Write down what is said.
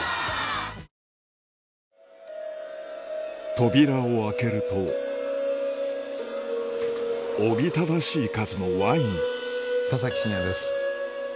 扉を開けるとおびただしい数のワイン田崎真也です。